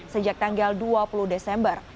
sejak tanggal dua puluh desember